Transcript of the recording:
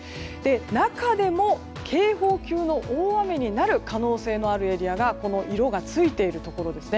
中でも、警報級の大雨になる可能性のあるエリアが色がついているところです。